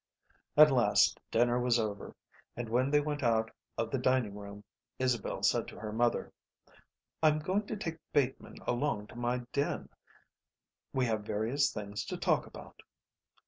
At last dinner was over, and when they went out of the dining room Isabel said to her mother: "I'm going to take Bateman along to my den. We have various things to talk about."